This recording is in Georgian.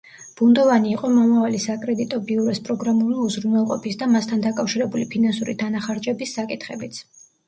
ბუნდოვანი იყო მომავალი საკრედიტო ბიუროს პროგრამული უზრუნველყოფის და მასთან დაკავშირებული ფინანსური დანახარჯების საკითხებიც.